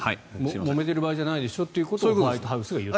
もめてる場合じゃないでしょとホワイトハウスが言ったと。